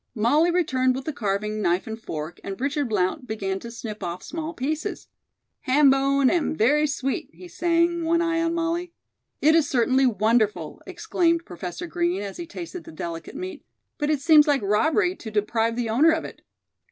Molly returned with the carving knife and fork, and Richard Blount began to snip off small pieces. "'Ham bone am very sweet,'" he sang, one eye on Molly. "It is certainly wonderful," exclaimed Professor Green, as he tasted the delicate meat; "but it seems like robbery to deprive the owner of it."